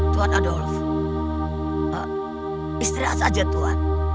tuan adolf istirahat saja tuhan